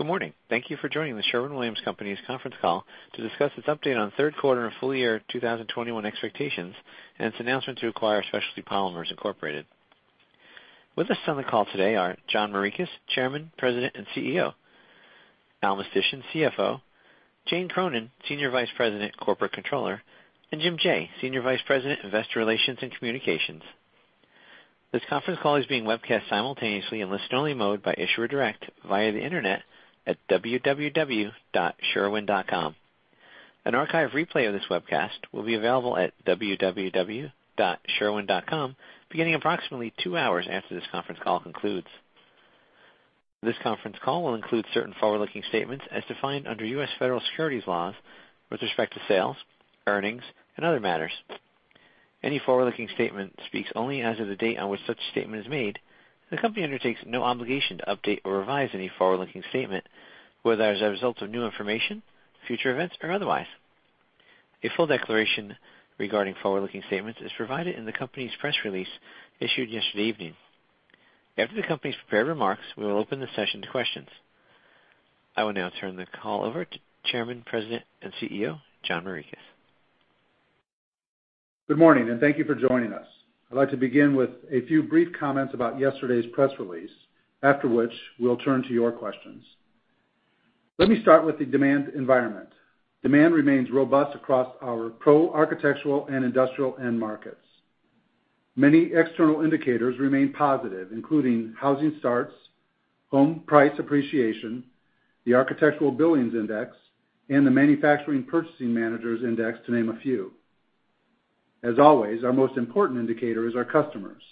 Good morning. Thank you for joining The Sherwin-Williams Company's conference call to discuss its update on third quarter and full year 2021 expectations and its announcement to acquire Specialty Polymers Incorporated. With us on the call today are John Morikis, Chairman, President, and CEO. Al Mistysyn, CFO. Jane Cronin, Senior Vice President, Corporate Controller, and Jim Jaye, Senior Vice President, Investor Relations and Communications. This conference call is being webcast simultaneously in listen-only mode by Issuer Direct via the internet at www.sherwin.com. An archive replay of this webcast will be available at www.sherwin.com beginning approximately two hours after this conference call concludes. This conference call will include certain forward-looking statements as defined under U.S. federal securities laws with respect to sales, earnings, and other matters. Any forward-looking statement speaks only as of the date on which such statement is made, and the company undertakes no obligation to update or revise any forward-looking statement, whether as a result of new information, future events, or otherwise. A full declaration regarding forward-looking statements is provided in the company's press release issued yesterday evening. After the company's prepared remarks, we will open the session to questions. I will now turn the call over to Chairman, President, and CEO, John Morikis. Good morning, and thank you for joining us. I'd like to begin with a few brief comments about yesterday's press release, after which we'll turn to your questions. Let me start with the demand environment. Demand remains robust across our pro architectural and industrial end markets. Many external indicators remain positive, including housing starts, home price appreciation, the Architecture Billings Index, and the Manufacturing Purchasing Managers' Index to name a few. As always, our most important indicator is our customers.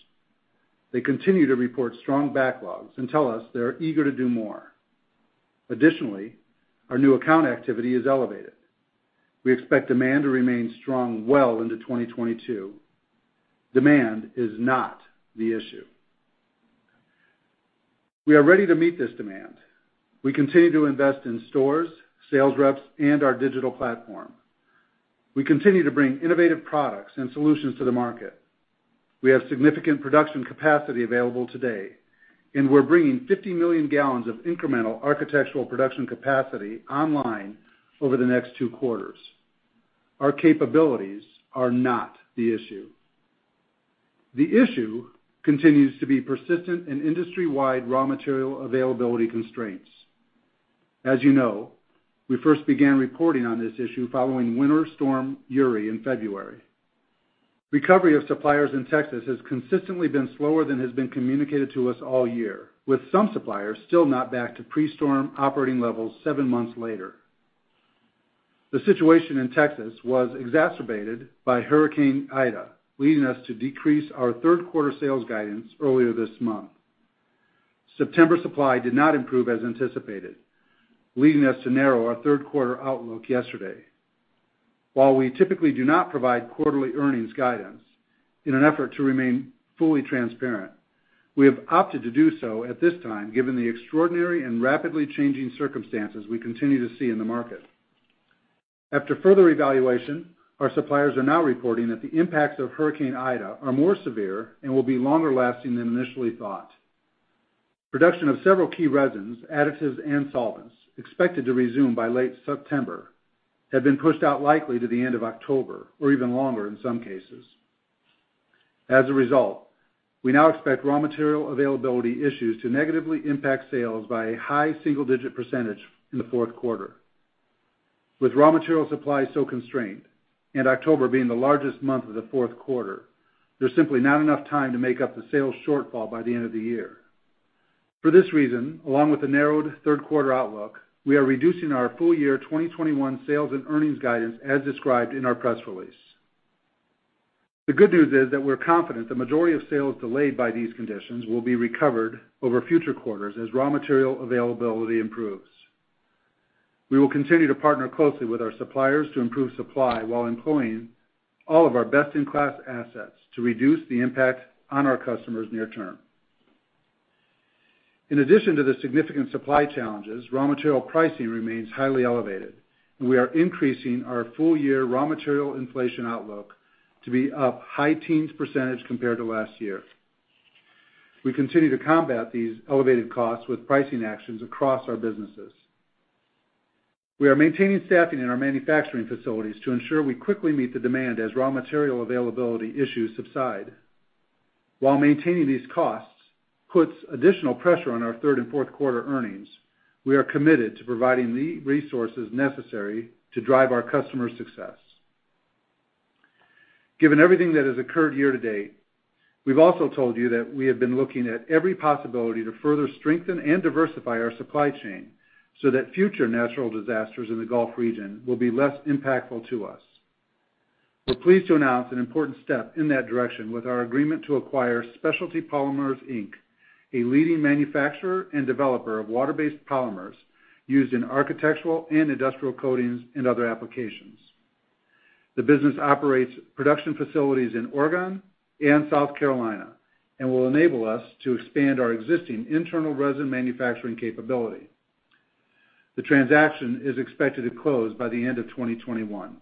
They continue to report strong backlogs and tell us they're eager to do more. Additionally, our new account activity is elevated. We expect demand to remain strong well into 2022. Demand is not the issue. We are ready to meet this demand. We continue to invest in stores, sales reps, and our digital platform. We continue to bring innovative products and solutions to the market. We have significant production capacity available today, and we're bringing 50 million gallons of incremental architectural production capacity online over the next two quarters. Our capabilities are not the issue. The issue continues to be persistent and industry-wide raw material availability constraints. As you know, we first began reporting on this issue following Winter Storm Uri in February. Recovery of suppliers in Texas has consistently been slower than has been communicated to us all year, with some suppliers still not back to pre-storm operating levels seven months later. The situation in Texas was exacerbated by Hurricane Ida, leading us to decrease our third quarter sales guidance earlier this month. September supply did not improve as anticipated, leading us to narrow our third quarter outlook yesterday. While we typically do not provide quarterly earnings guidance, in an effort to remain fully transparent, we have opted to do so at this time given the extraordinary and rapidly changing circumstances we continue to see in the market. After further evaluation, our suppliers are now reporting that the impacts of Hurricane Ida are more severe and will be longer lasting than initially thought. Production of several key resins, additives, and solvents expected to resume by late September have been pushed out likely to the end of October or even longer in some cases. As a result, we now expect raw material availability issues to negatively impact sales by a high single-digit percentage in the fourth quarter. With raw material supply so constrained and October being the largest month of the fourth quarter, there's simply not enough time to make up the sales shortfall by the end of the year. For this reason, along with the narrowed third quarter outlook, we are reducing our full year 2021 sales and earnings guidance as described in our press release. The good news is that we're confident the majority of sales delayed by these conditions will be recovered over future quarters as raw material availability improves. We will continue to partner closely with our suppliers to improve supply while employing all of our best-in-class assets to reduce the impact on our customers near term. In addition to the significant supply challenges, raw material pricing remains highly elevated, and we are increasing our full year raw material inflation outlook to be up high teens percentage compared to last year. We continue to combat these elevated costs with pricing actions across our businesses. We are maintaining staffing in our manufacturing facilities to ensure we quickly meet the demand as raw material availability issues subside. While maintaining these costs puts additional pressure on our third and fourth quarter earnings, we are committed to providing the resources necessary to drive our customers' success. Given everything that has occurred year-to-date, we've also told you that we have been looking at every possibility to further strengthen and diversify our supply chain so that future natural disasters in the Gulf region will be less impactful to us. We're pleased to announce an important step in that direction with our agreement to acquire Specialty Polymers Inc., a leading manufacturer and developer of water-based polymers used in architectural and industrial coatings and other applications. The business operates production facilities in Oregon and South Carolina and will enable us to expand our existing internal resin manufacturing capability. The transaction is expected to close by the end of 2021.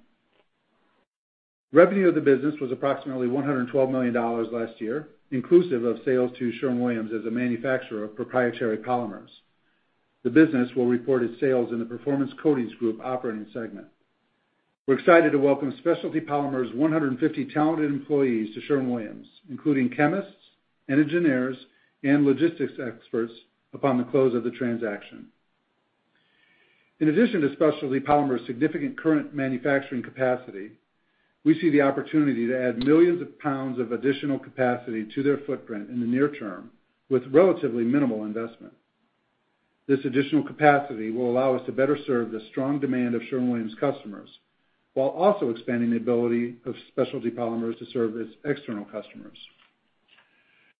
Revenue of the business was approximately $112 million last year, inclusive of sales to Sherwin-Williams as a manufacturer of proprietary polymers. The business will report its sales in the Performance Coatings Group operating segment. We're excited to welcome Specialty Polymers' 150 talented employees to Sherwin-Williams, including chemists and engineers, and logistics experts upon the close of the transaction. In addition to Specialty Polymers' significant current manufacturing capacity, we see the opportunity to add millions of pounds of additional capacity to their footprint in the near term with relatively minimal investment. This additional capacity will allow us to better serve the strong demand of Sherwin-Williams customers, while also expanding the ability of Specialty Polymers to serve as external customers.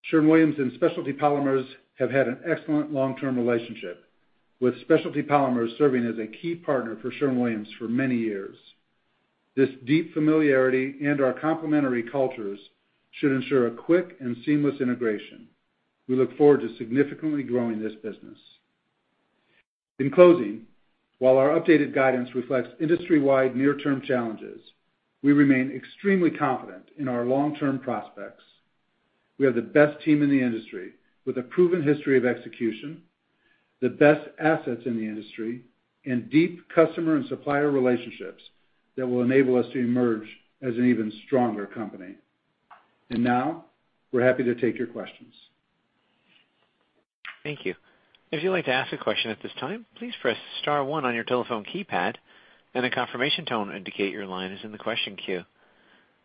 Sherwin-Williams and Specialty Polymers have had an excellent long-term relationship, with Specialty Polymers serving as a key partner for Sherwin-Williams for many years. This deep familiarity and our complementary cultures should ensure a quick and seamless integration. We look forward to significantly growing this business. In closing, while our updated guidance reflects industry-wide near-term challenges, we remain extremely confident in our long-term prospects. We have the best team in the industry with a proven history of execution, the best assets in the industry, and deep customer and supplier relationships that will enable us to emerge as an even stronger company. Now, we're happy to take your questions. Thank you. If you'd like to ask a question at this time, please press star one on your telephone keypad, then the confirmation tone indicate your line is in the question queue.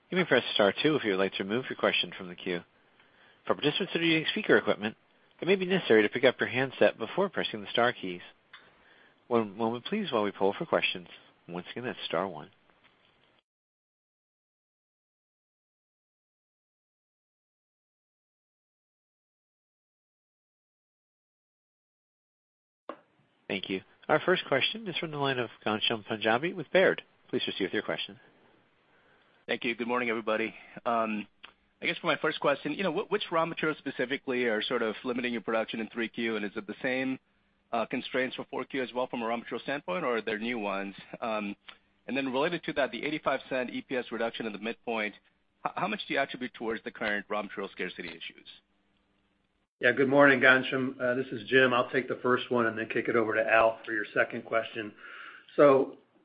You may press star two if you'd like to remove your question from the queue. For participants using speaker equipment, it may be necessary to pick up your handset before pressing the star keys. One moment, please, while we poll for questions. Once again, star two. Our first question is from the line of Ghansham Panjabi with Baird. Please proceed with your question. Thank you. Good morning, everybody. I guess for my first question, which raw materials specifically are sort of limiting your production in 3Q? Is it the same constraints for 4Q as well from a raw material standpoint, or are there new ones? Related to that, the $0.85 EPS reduction in the midpoint, how much do you attribute towards the current raw material scarcity issues? Good morning, Ghansham. This is Jim. I'll take the first one and then kick it over to Al for your second question.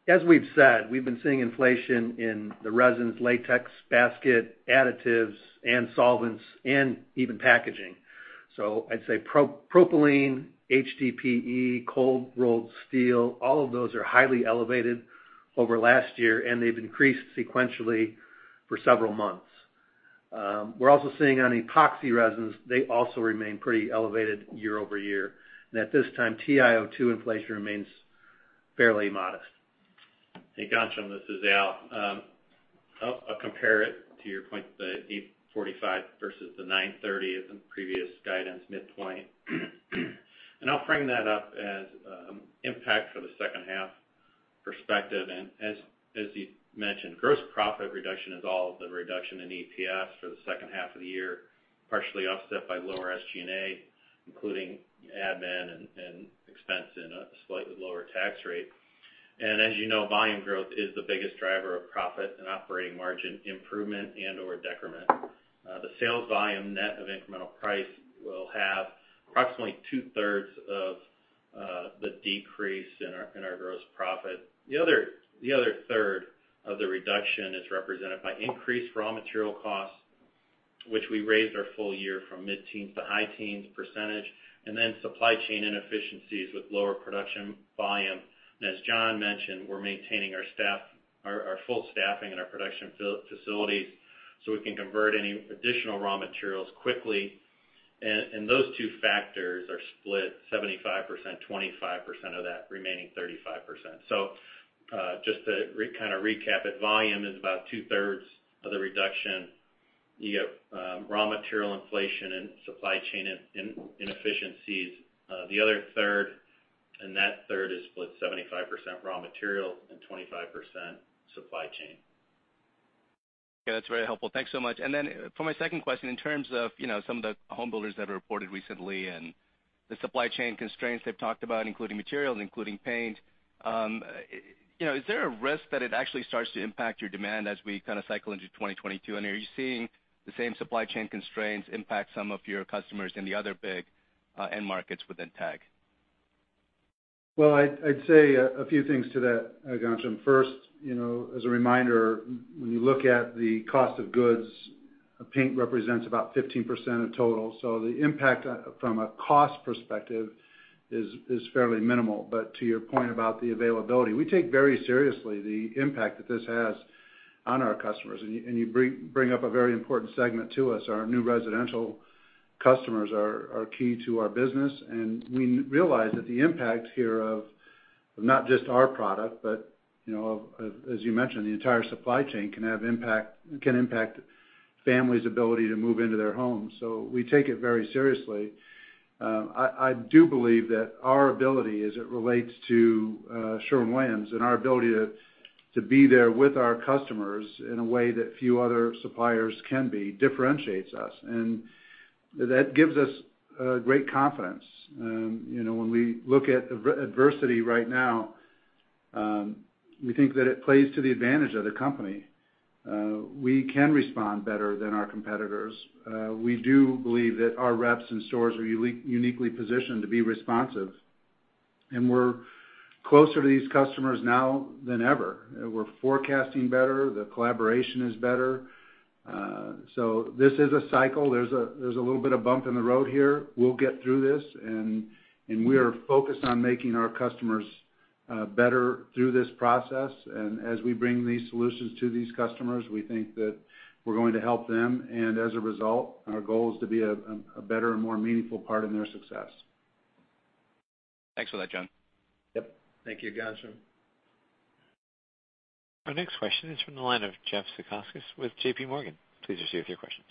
As we've said, we've been seeing inflation in the resins, latex, basket, additives, and solvents, and even packaging. I'd say propylene, HDPE, cold rolled steel, all of those are highly elevated over last year, and they've increased sequentially for several months. We're also seeing on epoxy resins, they also remain pretty elevated year-over-year. At this time, TiO2 inflation remains fairly modest. Hey, Ghansham, this is Al. I'll compare it to your point, the $0.85 versus the $0.93 in previous guidance midpoint. I'll frame that up as impact for the second half perspective. As you mentioned, gross profit reduction is all of the reduction in EPS for the second half of the year, partially offset by lower SG&A, including admin and expense and a slightly lower tax rate. As you know, volume growth is the biggest driver of profit and operating margin improvement and/or decrement. The sales volume net of incremental price will have approximately 2/3 of the decrease in our gross profit. The other 1/3 of the reduction is represented by increased raw material costs, which we raised our full year from mid-teens to high teens percentage, then supply chain inefficiencies with lower production volume. As John mentioned, we're maintaining our full staffing in our production facilities so we can convert any additional raw materials quickly. Those two factors are split 75%, 25% of that remaining 35%. Just to kind of recap it, volume is about two-thirds of the reduction. You got raw material inflation and supply chain inefficiencies. The other third. That third is split 75% raw material and 25% supply chain. Okay. That's very helpful. Thanks so much. For my second question, in terms of some of the home builders that have reported recently and the supply chain constraints they've talked about, including materials, including paint, is there a risk that it actually starts to impact your demand as we kind of cycle into 2022? Are you seeing the same supply chain constraints impact some of your customers in the other big end markets within TAG? Well, I'd say a few things to that, Ghansham. First, as a reminder, when you look at the cost of goods, paint represents about 15% of total. The impact from a cost perspective is fairly minimal. To your point about the availability, we take very seriously the impact that this has on our customers, and you bring up a very important segment to us. Our new residential customers are key to our business, and we realize that the impact here of not just our product, but as you mentioned, the entire supply chain can impact families' ability to move into their homes. We take it very seriously. I do believe that our ability as it relates to Sherwin-Williams and our ability to be there with our customers in a way that few other suppliers can be, differentiates us. That gives us great confidence. When we look at adversity right now, we think that it plays to the advantage of the company. We can respond better than our competitors. We do believe that our reps and stores are uniquely positioned to be responsive, and we're closer to these customers now than ever. We're forecasting better. The collaboration is better. This is a cycle. There's a little bit of bump in the road here. We'll get through this. We are focused on making our customers better through this process. As we bring these solutions to these customers, we think that we're going to help them, and as a result, our goal is to be a better and more meaningful part in their success. Thanks for that, John. Yep. Thank you, Ghansham. Our next question is from the line of Jeffrey Zekauskas with JPMorgan. Please proceed with your questions.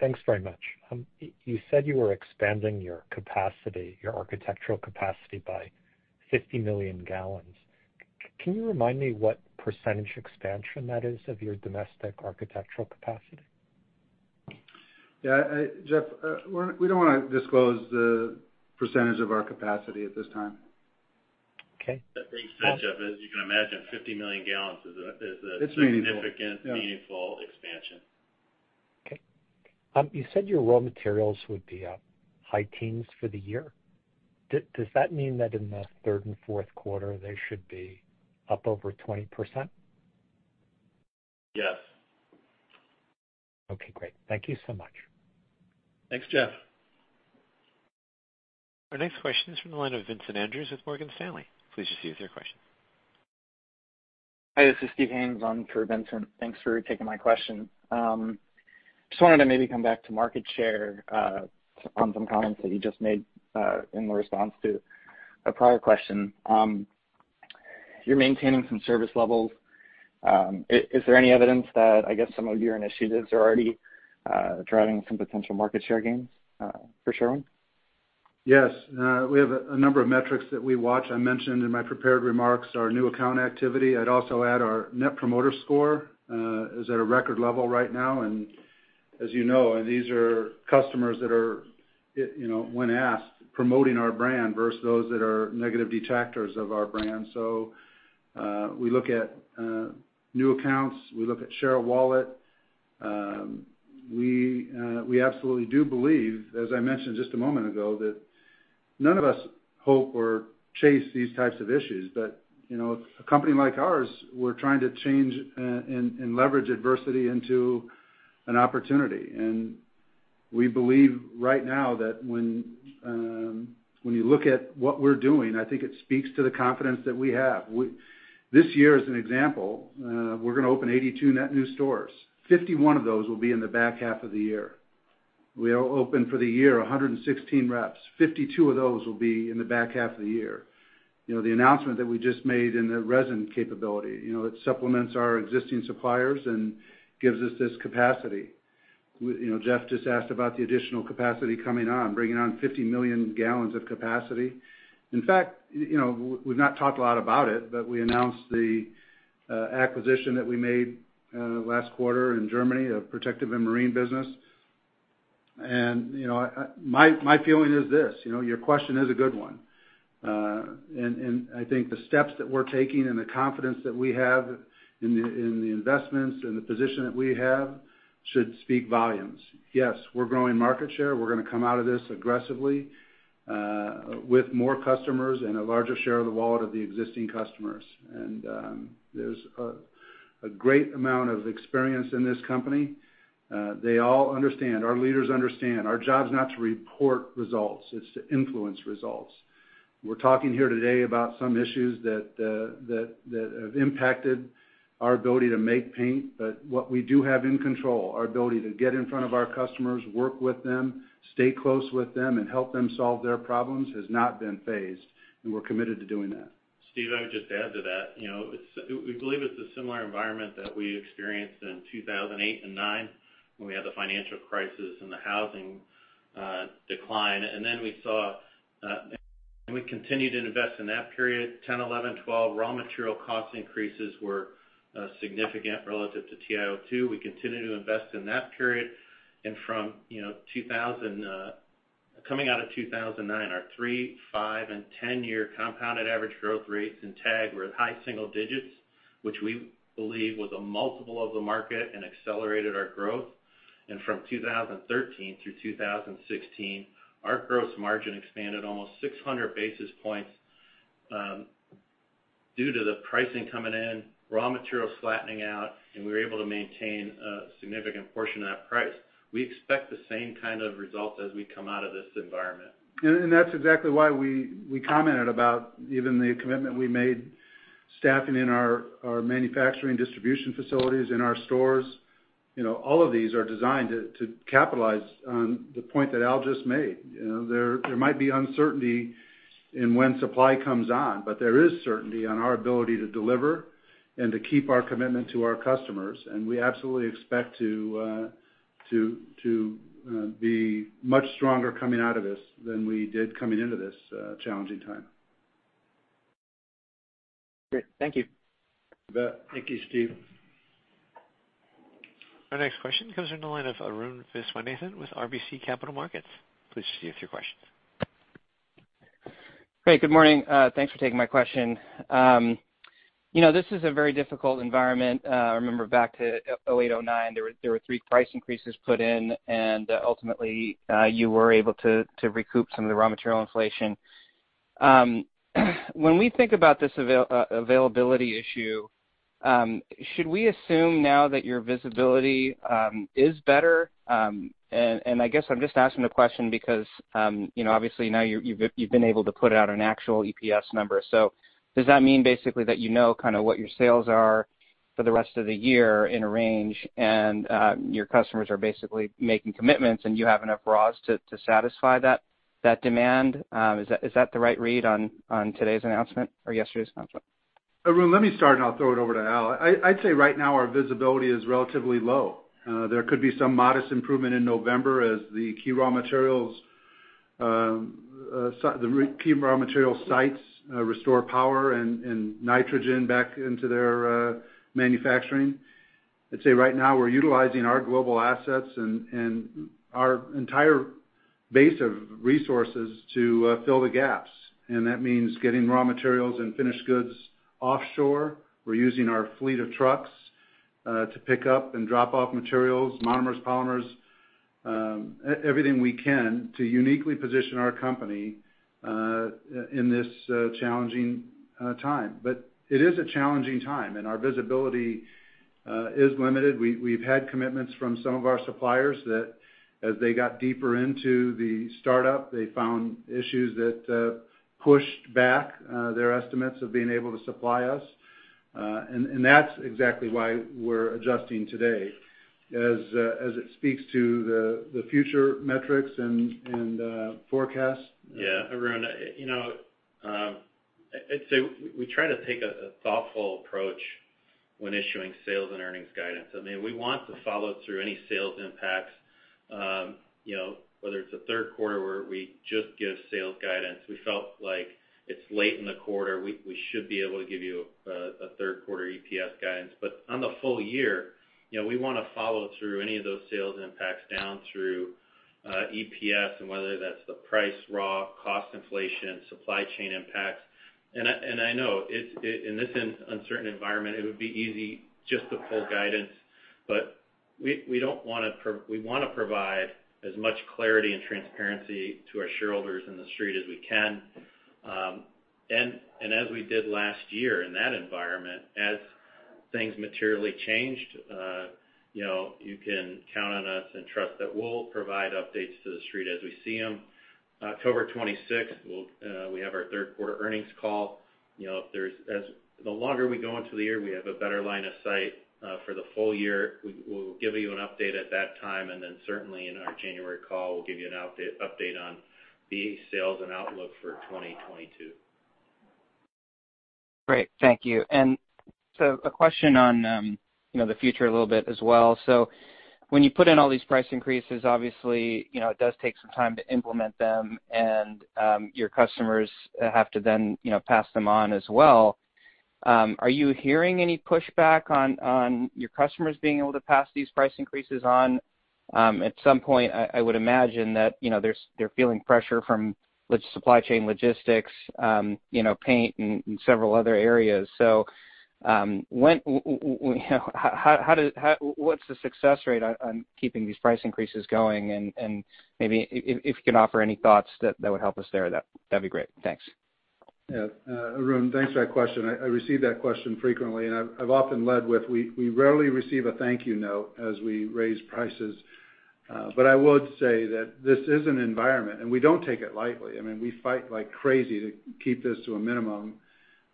Thanks very much. You said you were expanding your architectural capacity by 50 million gallons. Can you remind me what percentage expansion that is of your domestic architectural capacity? Yeah, Jeff, we don't want to disclose the percentage of our capacity at this time. Okay. Thanks, Jeff. As you can imagine, 50 million gallons. It's meaningful. significant, meaningful expansion. Okay. You said your raw materials would be up high teens for the year. Does that mean that in the third and fourth quarter, they should be up over 20%? Yes. Okay, great. Thank you so much. Thanks, Jeff. Our next question is from the line of Vincent Andrews with Morgan Stanley. Please proceed with your question. Hi, this is Steve Haynes on for Vincent. Thanks for taking my question. Just wanted to maybe come back to market share, on some comments that you just made in response to a prior question. You're maintaining some service levels. Is there any evidence that, I guess, some of your initiatives are already driving some potential market share gains for Sherwin? Yes. We have a number of metrics that we watch. I mentioned in my prepared remarks our new account activity. I'd also add our Net Promoter Score is at a record level right now. As you know, these are customers that are, when asked, promoting our brand versus those that are negative detractors of our brand. We look at new accounts. We look at share of wallet. We absolutely do believe, as I mentioned just a moment ago, that none of us hope or chase these types of issues. A company like ours, we're trying to change and leverage adversity into an opportunity. We believe right now that when you look at what we're doing, I think it speaks to the confidence that we have. This year as an example, we're going to open 82 net new stores. 51 of those will be in the back half of the year. We'll open for the year 116 reps, 52 of those will be in the back half of the year. The announcement that we just made in the resin capability, it supplements our existing suppliers and gives us this capacity. Jeff just asked about the additional capacity coming on, bringing on 50 million gallons of capacity. In fact, we've not talked a lot about it, but we announced the acquisition that we made last quarter in Germany of Protective & Marine business. My feeling is this, your question is a good one. I think the steps that we're taking and the confidence that we have in the investments and the position that we have should speak volumes. Yes, we're growing market share. We're going to come out of this aggressively, with more customers and a larger share of the wallet of the existing customers. There's a great amount of experience in this company. They all understand, our leaders understand our job is not to report results, it's to influence results. We're talking here today about some issues that have impacted our ability to make paint. What we do have in control, our ability to get in front of our customers, work with them, stay close with them, and help them solve their problems, has not been fazed, and we're committed to doing that. Steve, I would just add to that. We believe it's a similar environment that we experienced in 2008 and 2009 when we had the financial crisis and the housing decline. Then we continued to invest in that period, 2010, 2011, 2012. Raw material cost increases were significant relative to TiO2. We continued to invest in that period. Coming out of 2009, our three year, five year and 10-year compounded average growth rates in TAG were in high single digits, which we believe was a multiple of the market and accelerated our growth. From 2013 through 2016, our gross margin expanded almost 600 basis points, due to the pricing coming in, raw material flattening out, and we were able to maintain a significant portion of that price. We expect the same kind of result as we come out of this environment. That's exactly why we commented about even the commitment we made staffing in our manufacturing distribution facilities in our stores. All of these are designed to capitalize on the point that Al just made. There might be uncertainty in when supply comes on, but there is certainty on our ability to deliver and to keep our commitment to our customers. We absolutely expect to be much stronger coming out of this than we did coming into this challenging time. Great. Thank you. You bet. Thank you, Steve. Our next question comes from the line of Arun Viswanathan with RBC Capital Markets. Please proceed with your questions. Great. Good morning. Thanks for taking my question. This is a very difficult environment. I remember back to 2008, 2009, there were three price increases put in, and ultimately, you were able to recoup some of the raw material inflation. When we think about this availability issue, should we assume now that your visibility is better? I guess I'm just asking the question because, obviously now you've been able to put out an actual EPS number. Does that mean basically that you know kind of what your sales are for the rest of the year in a range, and your customers are basically making commitments, and you have enough raws to satisfy that demand? Is that the right read on today's announcement or yesterday's announcement? Arun, let me start, and I'll throw it over to Al. I'd say right now our visibility is relatively low. There could be some modest improvement in November as the key raw material sites restore power and nitrogen back into their manufacturing. I'd say right now we're utilizing our global assets and our entire base of resources to fill the gaps. That means getting raw materials and finished goods offshore. We're using our fleet of trucks to pick up and drop off materials, monomers, polymers, everything we can to uniquely position our company in this challenging time. It is a challenging time, and our visibility is limited. We've had commitments from some of our suppliers that as they got deeper into the startup, they found issues that pushed back their estimates of being able to supply us. That's exactly why we're adjusting today, as it speaks to the future metrics and forecasts. Yeah. Arun, I'd say we try to take a thoughtful approach when issuing sales and earnings guidance. I mean, we want to follow through any sales impacts, whether it's the third quarter where we just give sales guidance. We felt like it's late in the quarter, we should be able to give you a third quarter EPS guidance. On the full year, we want to follow through any of those sales impacts down through EPS and whether that's the price raw, cost inflation, supply chain impacts. I know in this uncertain environment, it would be easy just to pull guidance, but we want to provide as much clarity and transparency to our shareholders in the Street as we can. As we did last year in that environment, as things materially changed, you can count on us and trust that we'll provide updates to the Street as we see them. October 26th, we have our third-quarter earnings call. The longer we go into the year, we have a better line of sight for the full year. We'll give you an update at that time, certainly in our January call, we'll give you an update on the sales and outlook for 2022. Great. Thank you. A question on the future a little bit as well. When you put in all these price increases, obviously, it does take some time to implement them, and your customers have to then pass them on as well. Are you hearing any pushback on your customers being able to pass these price increases on? At some point, I would imagine that they're feeling pressure from supply chain logistics, paint, and several other areas. What's the success rate on keeping these price increases going? Maybe if you can offer any thoughts that would help us there, that'd be great. Thanks. Yeah. Arun, thanks for that question. I receive that question frequently, and I've often led with, we rarely receive a thank you note as we raise prices. I would say that this is an environment, and we don't take it lightly. I mean, we fight like crazy to keep this to a minimum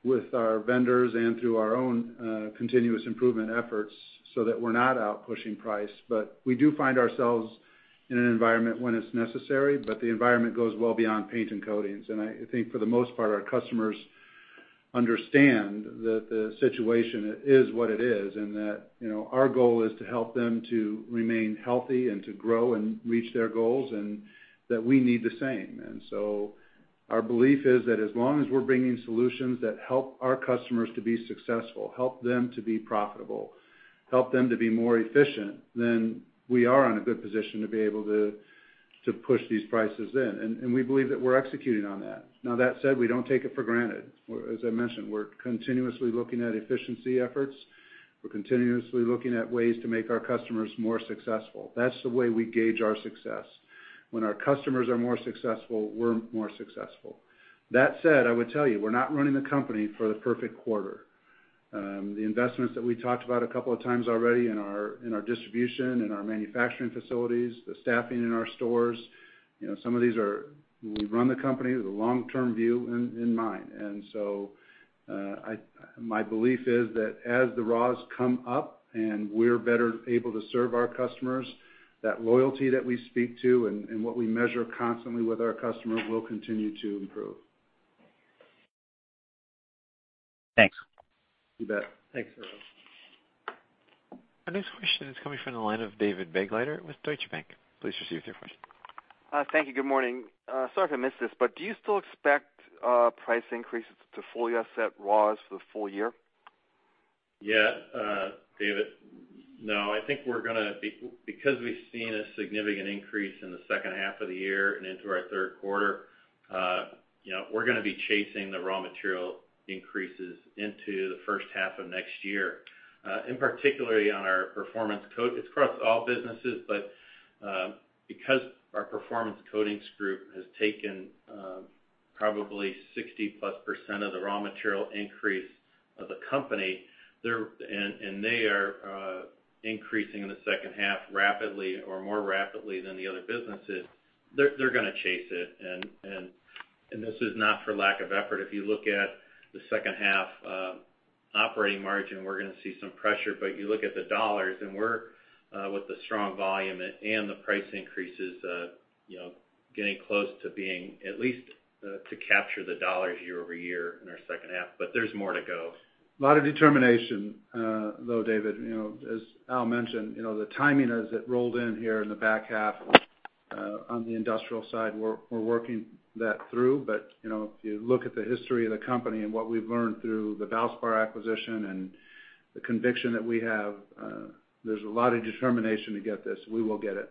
with our vendors and through our own continuous improvement efforts so that we're not out pushing price. We do find ourselves in an environment when it's necessary, but the environment goes well beyond paint and coatings. I think for the most part, our customers understand that the situation is what it is, and that our goal is to help them to remain healthy and to grow and reach their goals, and that we need the same. Our belief is that as long as we're bringing solutions that help our customers to be successful, help them to be profitable, help them to be more efficient, then we are in a good position to be able to push these prices in. We believe that we're executing on that. That said, we don't take it for granted. As I mentioned, we're continuously looking at efficiency efforts. We're continuously looking at ways to make our customers more successful. That's the way we gauge our success. When our customers are more successful, we're more successful. That said, I would tell you, we're not running the company for the perfect quarter. The investments that we talked about a couple of times already in our distribution, in our manufacturing facilities, the staffing in our stores, we run the company with a long-term view in mind. My belief is that as the raws come up and we're better able to serve our customers, that loyalty that we speak to and what we measure constantly with our customers will continue to improve. Thanks. You bet. Thanks, Arun. Our next question is coming from the line of David Begleiter with Deutsche Bank. Please proceed with your question. Thank you. Good morning. Sorry if I missed this, but do you still expect price increases to fully offset raws for the full year? Yeah, David. No, I think because we've seen a significant increase in the second half of the year and into our third quarter, we're going to be chasing the raw material increases into the first half of next year. In particular, on our Performance Coat. It's across all businesses, but because our Performance Coatings Group has taken probably 60%+ of the raw material increase of the company, and they are increasing in the second half rapidly or more rapidly than the other businesses, they're going to chase it. This is not for lack of effort. If you look at the second half operating margin, we're going to see some pressure. You look at the dollars, and with the strong volume and the price increases, getting close to being at least to capture the dollars year-over-year in our second half. There's more to go. A lot of determination, though, David. As Al mentioned, the timing as it rolled in here in the back half on the industrial side, we're working that through. If you look at the history of the company and what we've learned through the Valspar acquisition and the conviction that we have, there's a lot of determination to get this. We will get it.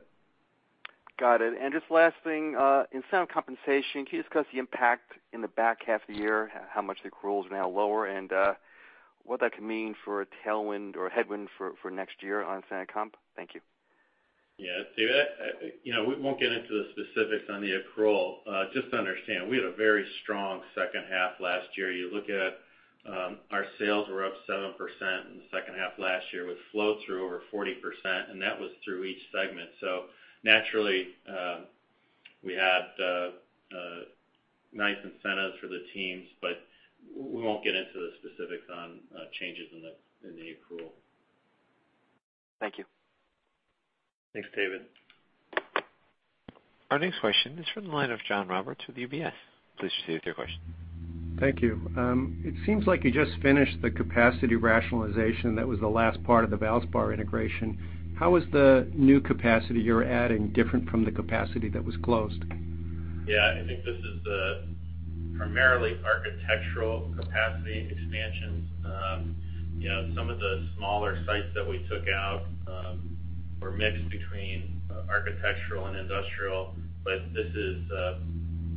Got it. Just last thing, incent compensation, can you discuss the impact in the back half of the year, how much the accruals are now lower, and what that could mean for a tailwind or a headwind for next year on incent comp? Thank you. Yeah. David, we won't get into the specifics on the accrual. Just understand, we had a very strong second half last year. You look at our sales were up 7% in the second half last year, with flow-through over 40%, and that was through each segment. Naturally, we had nice incentives for the teams, but we won't get into the specifics on changes in the accrual. Thank you. Thanks, David. Our next question is from the line of John Roberts with UBS. Please proceed with your question. Thank you. It seems like you just finished the capacity rationalization that was the last part of the Valspar integration. How is the new capacity you're adding different from the capacity that was closed? Yeah. I think this is a primarily architectural capacity expansion. Some of the smaller sites that we took out were mixed between architectural and industrial, but this is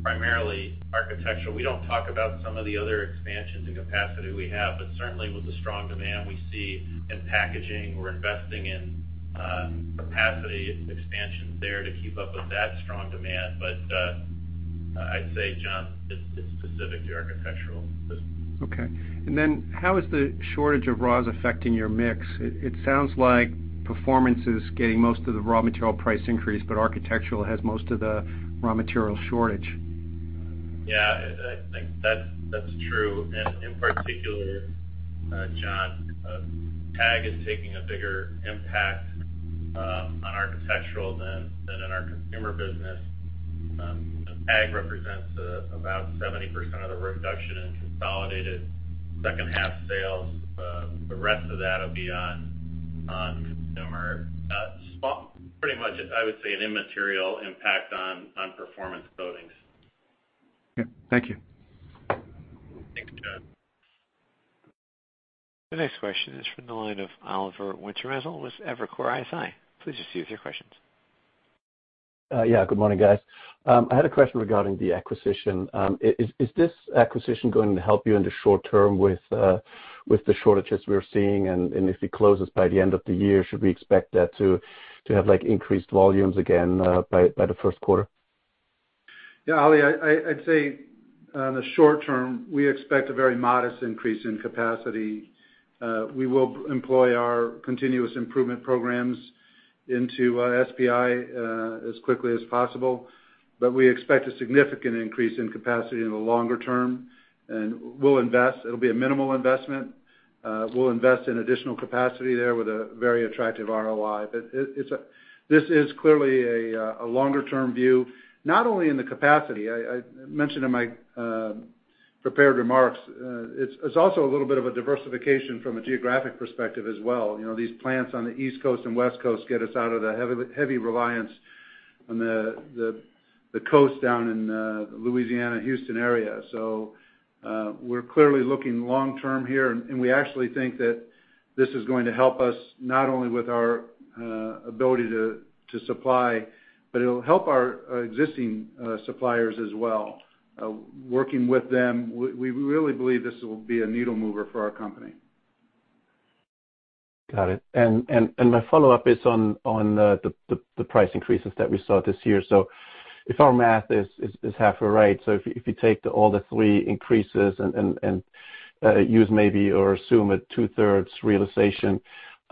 primarily architectural. We don't talk about some of the other expansions in capacity we have, but certainly with the strong demand we see in packaging, we're investing in capacity expansion there to keep up with that strong demand. I'd say, John, it's specific to architectural. Okay. How is the shortage of raws affecting your mix? It sounds like Performance is getting most of the raw material price increase, but Architectural has most of the raw material shortage. Yeah, I think that's true. In particular, John, TAG is taking a bigger impact on architectural than in our consumer business. TAG represents about 70% of the reduction in consolidated second half sales. The rest of that will be on consumer. Pretty much, I would say, an immaterial impact on Performance Coatings. Okay. Thank you. Thanks, John. The next question is from the line of Oliver Wintermantel with Evercore ISI. Please proceed with your questions. Yeah, good morning, guys. I had a question regarding the acquisition. Is this acquisition going to help you in the short term with the shortages we're seeing? If it closes by the end of the year, should we expect that to have increased volumes again by the first quarter? Ollie, I'd say in the short term, we expect a very modest increase in capacity. We will employ our continuous improvement programs into SPI as quickly as possible, but we expect a significant increase in capacity in the longer term. We'll invest. It'll be a minimal investment. We'll invest in additional capacity there with a very attractive ROI. This is clearly a longer-term view, not only in the capacity. I mentioned in my prepared remarks, it's also a little bit of a diversification from a geographic perspective as well. These plants on the East Coast and West Coast get us out of the heavy reliance on the coast down in Louisiana, Houston area. We're clearly looking long term here, and we actually think that this is going to help us not only with our ability to supply, but it'll help our existing suppliers as well. Working with them, we really believe this will be a needle mover for our company. Got it. My follow-up is on the price increases that we saw this year. If our math is half right, so if you take all the three increases and use maybe or assume a two-thirds realization,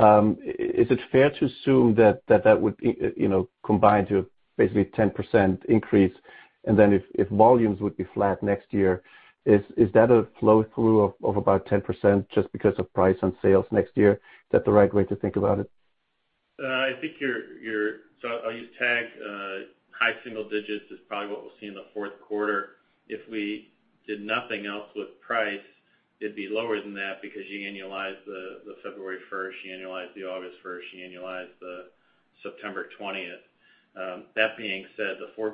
is it fair to assume that would combine to basically 10% increase? Then if volumes would be flat next year, is that a flow-through of about 10% just because of price on sales next year? Is that the right way to think about it? I'll use TAG. High single digits is probably what we'll see in the fourth quarter. It'd be lower than that because you annualize the February first, you annualize the August 1st, you annualize the September 20th. That being said, the 4%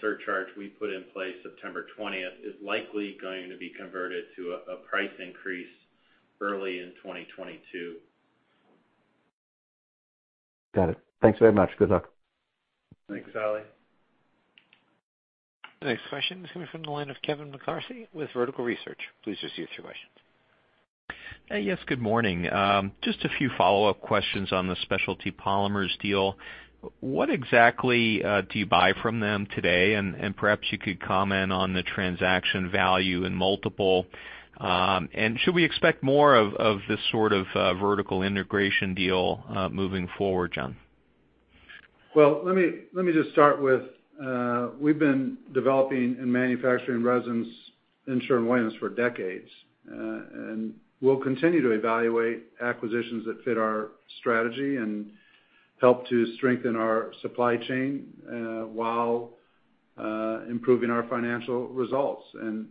surcharge we put in place September 20th is likely going to be converted to a price increase early in 2022. Got it. Thanks very much. Good luck. Thanks, Ollie. The next question is coming from the line of Kevin McCarthy with Vertical Research. Please proceed with your questions. Yes, good morning. Just a few follow-up questions on the Specialty Polymers deal. What exactly do you buy from them today? Perhaps you could comment on the transaction value and multiple. Should we expect more of this sort of vertical integration deal moving forward, John? Let me just start with, we've been developing and manufacturing resins in Sherwin-Williams for decades, and we'll continue to evaluate acquisitions that fit our strategy and help to strengthen our supply chain while improving our financial results.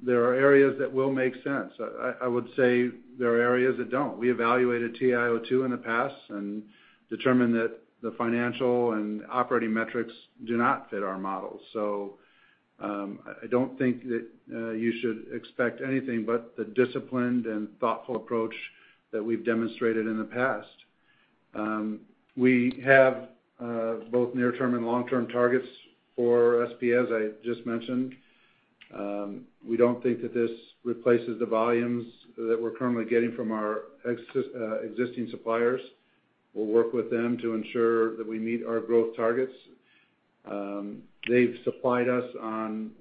There are areas that will make sense. I would say there are areas that don't. We evaluated TIO2 in the past and determined that the financial and operating metrics do not fit our model. I don't think that you should expect anything but the disciplined and thoughtful approach that we've demonstrated in the past. We have both near-term and long-term targets for SP, as I just mentioned. We don't think that this replaces the volumes that we're currently getting from our existing suppliers. We'll work with them to ensure that we meet our growth targets. They've supplied us on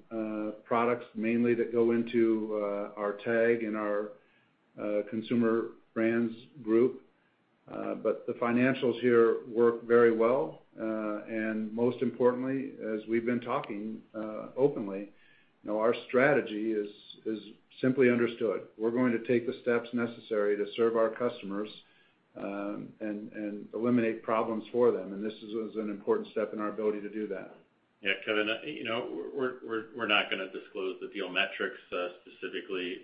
products mainly that go into our TAG and our Consumer Brands Group. The financials here work very well. Most importantly, as we've been talking openly, our strategy is simply understood. We're going to take the steps necessary to serve our customers and eliminate problems for them, and this is an important step in our ability to do that. Yeah, Kevin, we're not going to disclose the deal metrics specifically,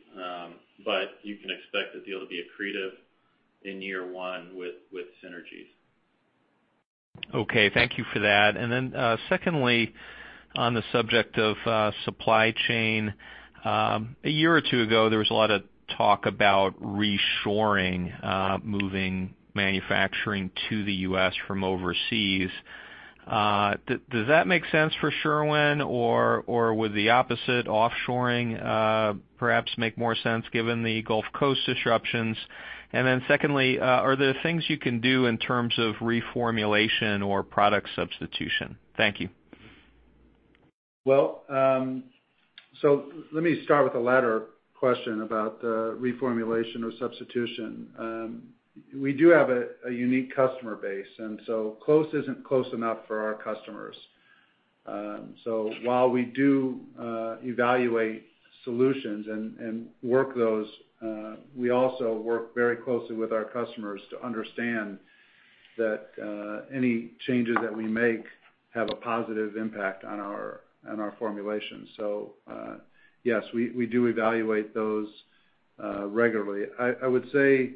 but you can expect the deal to be accretive in year one with synergies. Okay, thank you for that. Secondly, on the subject of supply chain, a year or two ago, there was a lot of talk about reshoring, moving manufacturing to the U.S. from overseas. Does that make sense for Sherwin, or would the opposite, offshoring, perhaps make more sense given the Gulf Coast disruptions? Secondly, are there things you can do in terms of reformulation or product substitution? Thank you. Let me start with the latter question about reformulation or substitution. We do have a unique customer base, and so close isn't close enough for our customers. While we do evaluate solutions and work those, we also work very closely with our customers to understand that any changes that we make have a positive impact on our formulations. Yes, we do evaluate those regularly. I would say,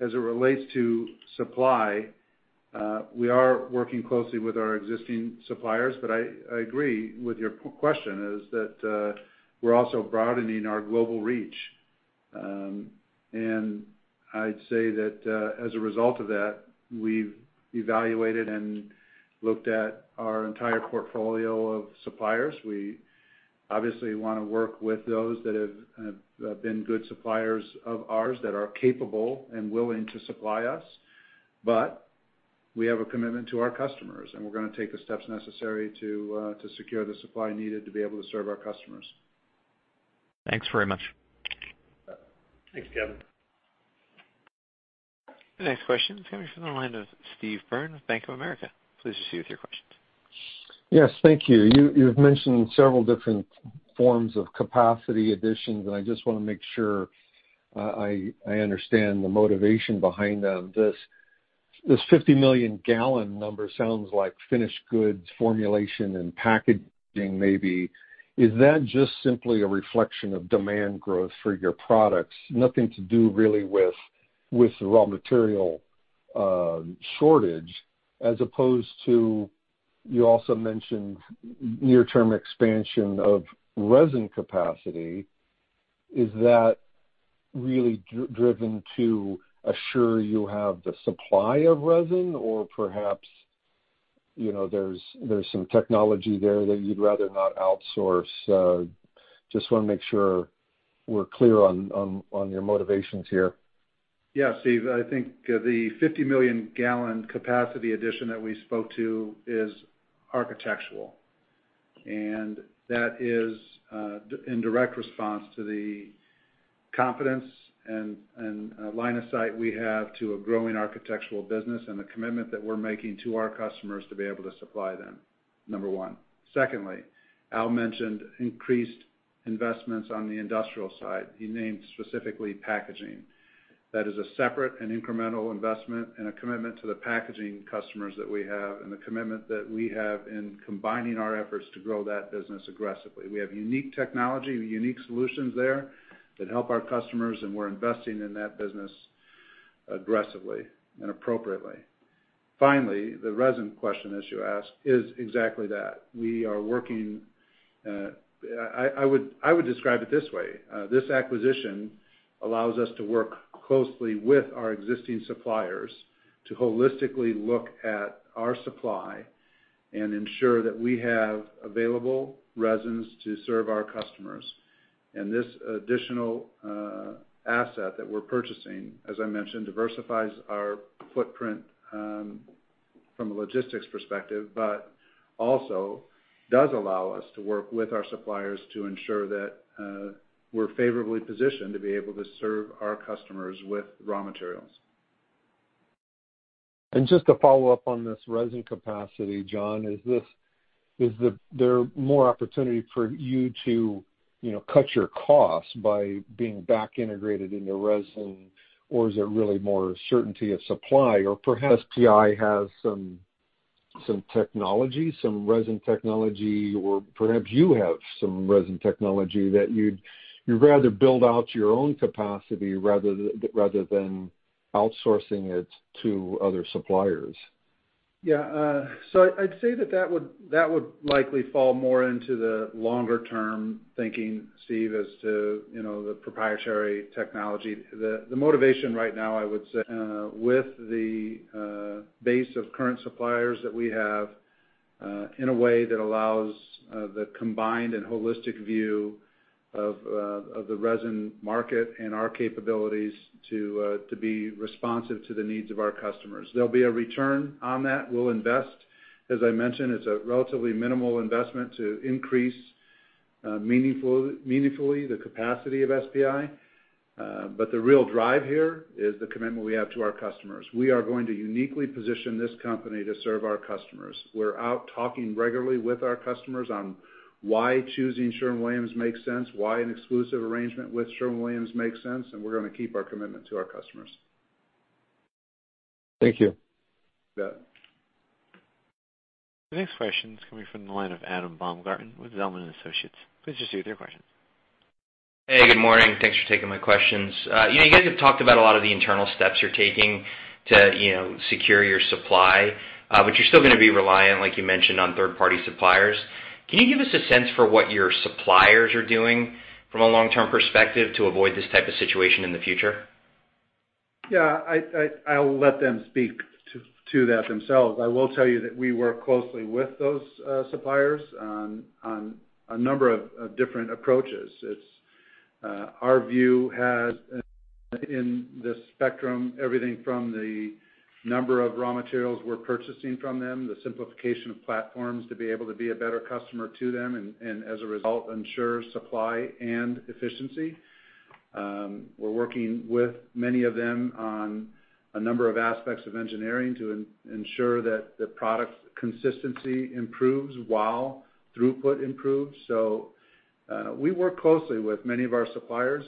as it relates to supply, we are working closely with our existing suppliers, but I agree with your question is that we're also broadening our global reach. I'd say that as a result of that, we've evaluated and looked at our entire portfolio of suppliers. We obviously want to work with those that have been good suppliers of ours that are capable and willing to supply us. We have a commitment to our customers, and we're going to take the steps necessary to secure the supply needed to be able to serve our customers. Thanks very much. Thanks, Kevin. The next question is coming from the line of Steve Byrne with Bank of America. Please proceed with your questions. Yes, thank you. You've mentioned several different forms of capacity additions, and I just want to make sure I understand the motivation behind them. This 50-million gallon number sounds like finished goods formulation and packaging maybe. Is that just simply a reflection of demand growth for your products? Nothing to do really with the raw material shortage, as opposed to, you also mentioned near-term expansion of resin capacity. Is that really driven to assure you have the supply of resin or perhaps, there's some technology there that you'd rather not outsource? Just want to make sure we're clear on your motivations here. Yeah, Steve, I think the 50 million gallon capacity addition that we spoke to is architectural. That is in direct response to the confidence and line of sight we have to a growing architectural business and the commitment that we're making to our customers to be able to supply them, number one. Secondly, Al mentioned increased investments on the industrial side. He named specifically packaging. That is a separate and incremental investment and a commitment to the packaging customers that we have, and the commitment that we have in combining our efforts to grow that business aggressively. We have unique technology, we have unique solutions there that help our customers. We're investing in that business aggressively and appropriately. Finally, the resin question that you asked is exactly that. I would describe it this way. This acquisition allows us to work closely with our existing suppliers to holistically look at our supply and ensure that we have available resins to serve our customers. This additional asset that we're purchasing, as I mentioned, diversifies our footprint from a logistics perspective, but also does allow us to work with our suppliers to ensure that we're favorably positioned to be able to serve our customers with raw materials. Just to follow up on this resin capacity, John, is there more opportunity for you to cut your costs by being back-integrated into resin or is it really more certainty of supply? Perhaps SPI has some resin technology, or perhaps you have some resin technology that you'd rather build out your own capacity rather than outsourcing it to other suppliers? Yeah. I'd say that would likely fall more into the longer-term thinking, Steve, as to the proprietary technology. The motivation right now, I would say, with the base of current suppliers that we have in a way that allows the combined and holistic view of the resin market and our capabilities to be responsive to the needs of our customers. There'll be a return on that. We'll invest. As I mentioned, it's a relatively minimal investment to increase meaningfully the capacity of SPI. The real drive here is the commitment we have to our customers. We are going to uniquely position this company to serve our customers. We're out talking regularly with our customers on why choosing Sherwin-Williams makes sense, why an exclusive arrangement with Sherwin-Williams makes sense, and we're going to keep our commitment to our customers. Thank you. You bet. The next question is coming from the line of Adam Baumgarten with Zelman & Associates. Please proceed with your question. Hey, good morning. Thanks for taking my questions. You guys have talked about a lot of the internal steps you're taking to secure your supply, but you're still going to be reliant, like you mentioned, on third-party suppliers. Can you give us a sense for what your suppliers are doing from a long-term perspective to avoid this type of situation in the future? Yeah, I'll let them speak to that themselves. I will tell you that we work closely with those suppliers on a number of different approaches. Our view has in the spectrum, everything from the number of raw materials we're purchasing from them, the simplification of platforms to be able to be a better customer to them, and as a result, ensure supply and efficiency. We're working with many of them on a number of aspects of engineering to ensure that the product consistency improves while throughput improves. We work closely with many of our suppliers,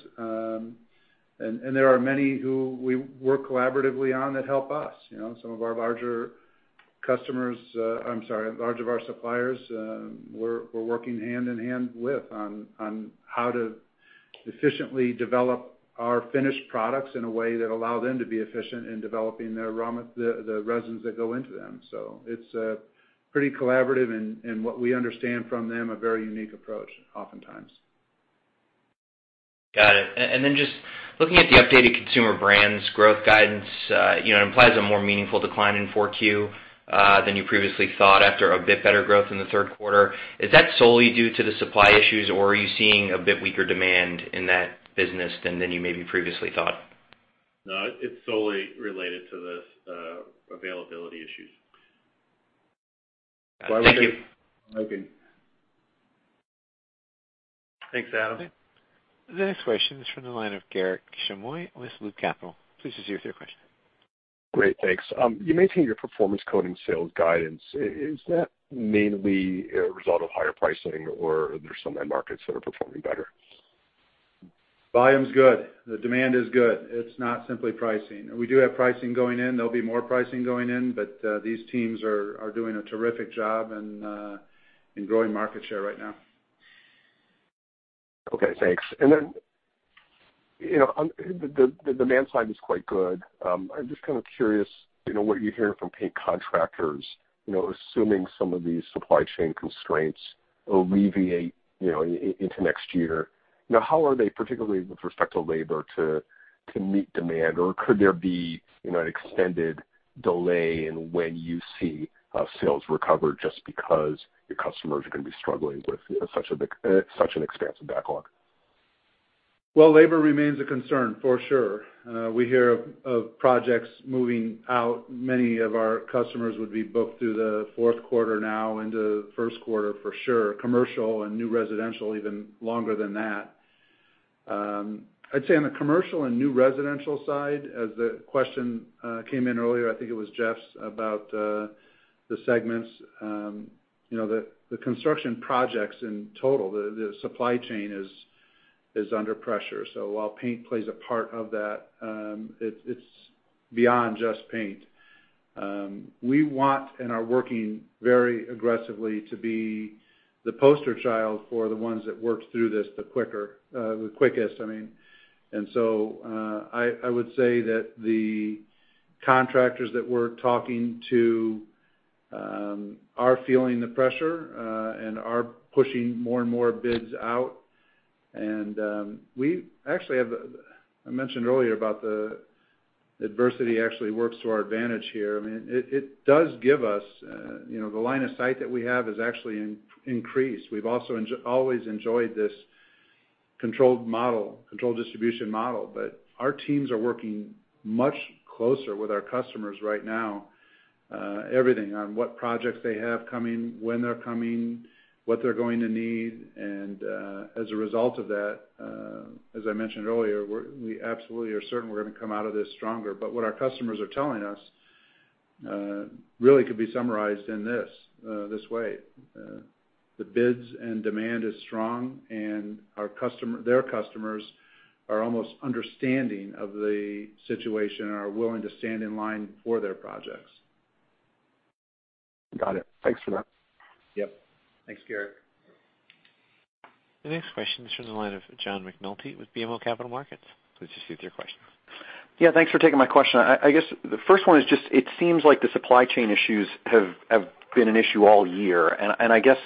and there are many who we work collaboratively on that help us. Some of our larger suppliers we're working hand in hand with on how to efficiently develop our finished products in a way that allow them to be efficient in developing the resins that go into them. It's pretty collaborative, and what we understand from them, a very unique approach oftentimes. Got it. Just looking at the updated consumer brands growth guidance implies a more meaningful decline in 4Q than you previously thought after a bit better growth in the third quarter. Is that solely due to the supply issues, or are you seeing a bit weaker demand in that business than you maybe previously thought? No, it's solely related to the availability issues. Thank you. Okay. Thanks, Adam. The next question is from the line of Garik Shmois with Loop Capital. Please proceed with your question. Great. Thanks. You maintain your Performance Coatings sales guidance. Is that mainly a result of higher pricing, or there's some end markets that are performing better? Volume's good. The demand is good. It's not simply pricing. We do have pricing going in. There'll be more pricing going in, but these teams are doing a terrific job in growing market share right now. Okay, thanks. The demand side is quite good. I'm just kind of curious what you hear from paint contractors, assuming some of these supply chain constraints alleviate into next year. How are they, particularly with respect to labor, to meet demand? Could there be an extended delay in when you see sales recover just because your customers are going to be struggling with such an expansive backlog? Well, labor remains a concern for sure. We hear of projects moving out. Many of our customers would be booked through the fourth quarter now into the first quarter for sure. Commercial and new residential, even longer than that. I'd say on the commercial and new residential side, as the question came in earlier, I think it was Jeff's, about the segments. The construction projects in total, the supply chain is under pressure. While paint plays a part of that, it's beyond just paint. We want and are working very aggressively to be the poster child for the ones that worked through this the quickest. I would say that the contractors that we're talking to are feeling the pressure and are pushing more and more bids out. I mentioned earlier about the adversity actually works to our advantage here. The line of sight that we have has actually increased. We've always enjoyed this controlled distribution model. Our teams are working much closer with our customers right now, everything on what projects they have coming, when they're coming, what they're going to need. As a result of that, as I mentioned earlier, we absolutely are certain we're going to come out of this stronger. What our customers are telling us really could be summarized in this way. The bids and demand is strong. Their customers are almost understanding of the situation and are willing to stand in line for their projects. Got it. Thanks for that. Yep. Thanks, Garik. The next question is from the line of John McNulty with BMO Capital Markets. Please proceed with your question. Yeah. Thanks for taking my question. I guess the first one is just, it seems like the supply chain issues have been an issue all year, and I guess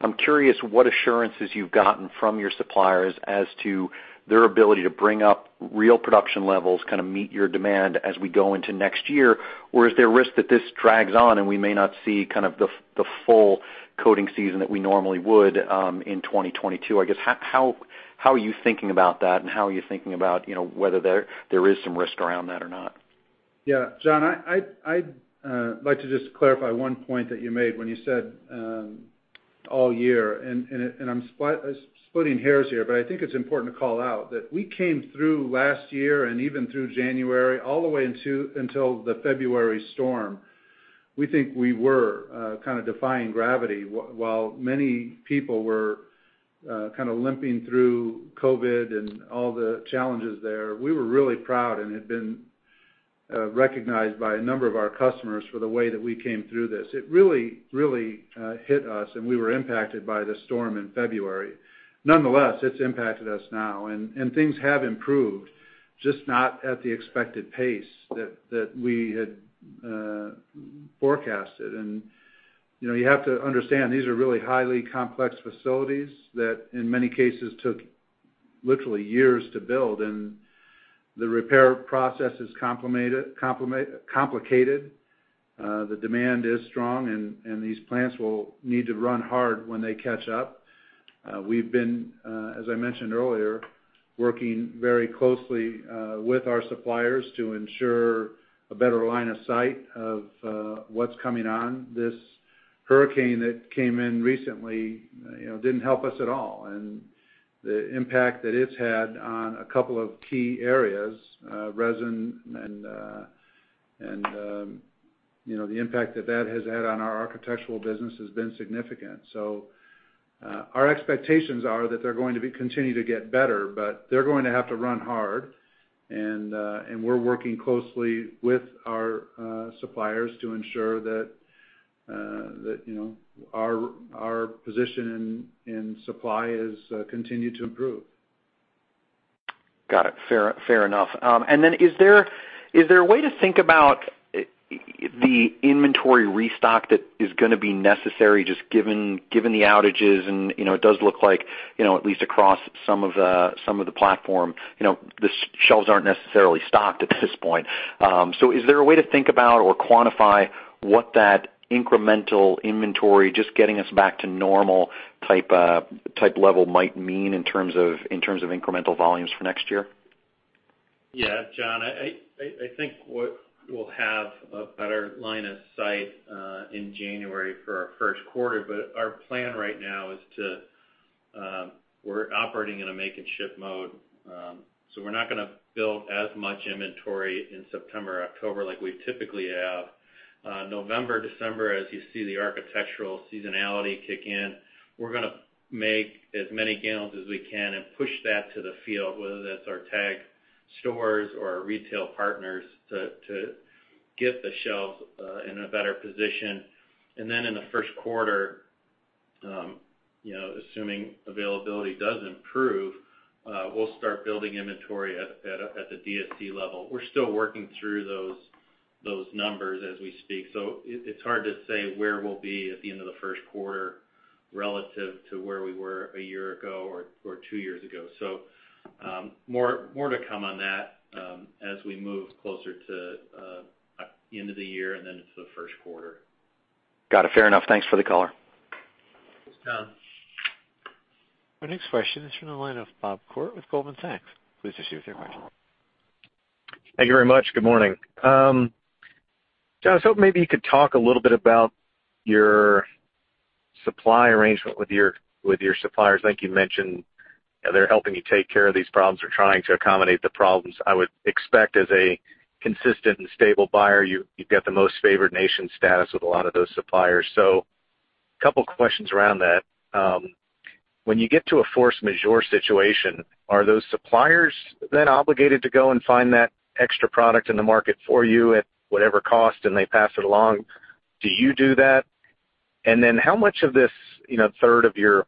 I'm curious what assurances you've gotten from your suppliers as to their ability to bring up real production levels, kind of meet your demand as we go into next year. Is there a risk that this drags on, and we may not see kind of the full coating season that we normally would in 2022? I guess, how are you thinking about that, and how are you thinking about whether there is some risk around that or not? Yeah. John, I'd like to just clarify one point that you made when you said all year, and I'm splitting hairs here, but I think it's important to call out that we came through last year and even through January, all the way until the February storm. We think we were kind of defying gravity while many people were kind of limping through COVID and all the challenges there. We were really proud and had been recognized by a number of our customers for the way that we came through this. It really hit us, and we were impacted by the storm in February. Nonetheless, it's impacted us now, and things have improved, just not at the expected pace that we had forecasted. You have to understand, these are really highly complex facilities that in many cases took literally years to build, and the repair process is complicated. The demand is strong, and these plants will need to run hard when they catch up. We've been, as I mentioned earlier, working very closely with our suppliers to ensure a better line of sight of what's coming on. This hurricane that came in recently didn't help us at all, and the impact that it's had on a couple of key areas, resin and the impact that that has had on our architectural business has been significant. Our expectations are that they're going to be continue to get better, but they're going to have to run hard, and we're working closely with our suppliers to ensure that our position in supply has continued to improve. Got it. Fair enough. Is there a way to think about the inventory restock that is going to be necessary, just given the outages and it does look like at least across some of the platform, the shelves aren't necessarily stocked at this point. Is there a way to think about or quantify what that incremental inventory, just getting us back to normal type level might mean in terms of incremental volumes for next year? Yeah, John, I think we'll have a better line of sight in January for our first quarter. Our plan right now is we're operating in a make and ship mode. We're not going to build as much inventory in September, October like we typically have. November, December, as you see the architectural seasonality kick in, we're going to make as many gallons as we can and push that to the field, whether that's our TAG stores or our retail partners to get the shelves in a better position. Then in the first quarter, assuming availability does improve, we'll start building inventory at the DSC level. We're still working through those numbers as we speak. It's hard to say where we'll be at the end of the first quarter relative to where we were a year ago or two years ago. More to come on that as we move closer to end of the year, and then into the first quarter. Got it. Fair enough. Thanks for the color. Thanks, John. Our next question is from the line of Bob Koort with Goldman Sachs. Please proceed with your question. Thank you very much. Good morning. John, I was hoping maybe you could talk a little bit about your supply arrangement with your suppliers. I think you mentioned they're helping you take care of these problems or trying to accommodate the problems. I would expect as a consistent and stable buyer, you've got the most favored nation status with a lot of those suppliers. Couple questions around that. When you get to a force majeure situation, are those suppliers then obligated to go and find that extra product in the market for you at whatever cost, and they pass it along? Do you do that? How much of this third of your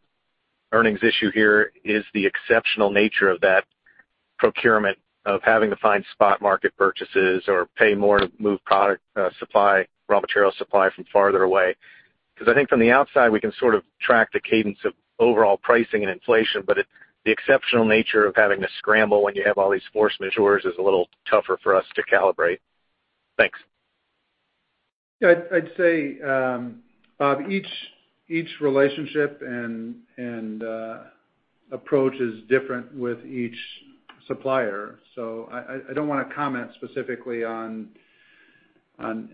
earnings issue here is the exceptional nature of that procurement of having to find spot market purchases or pay more to move product supply, raw material supply from farther away? I think from the outside, we can sort of track the cadence of overall pricing and inflation, but the exceptional nature of having to scramble when you have all these force majeures is a little tougher for us to calibrate. Thanks. I'd say, Bob, each relationship and approach is different with each supplier. I don't want to comment specifically on